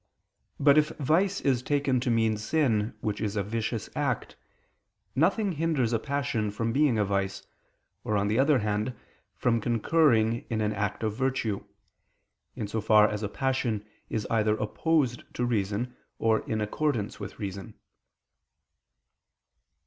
But if vice is taken to mean sin which is a vicious act, nothing hinders a passion from being a vice, or, on the other hand, from concurring in an act of virtue; in so far as a passion is either opposed to reason or in accordance with reason.